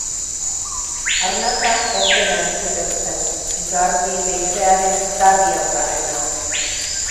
Arnasa ozena entzuten zen, garbi, leizearen eztarrian barrena.